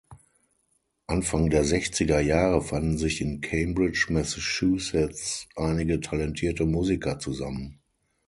Anfang der sechziger Jahre fanden sich in Cambridge, Massachusetts, einige talentierte Musiker zusammen.